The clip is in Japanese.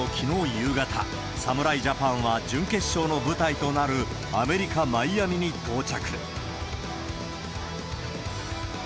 夕方、侍ジャパンは準決勝の舞台となるアメリカ・マイアミに到着。